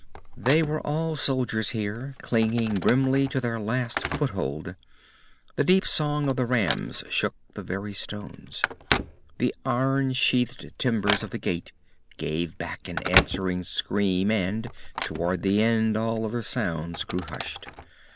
They were all soldiers here, clinging grimly to their last foothold. The deep song of the rams shook the very stones. The iron sheathed timbers of the gate gave back an answering scream, and toward the end all other sounds grew hushed.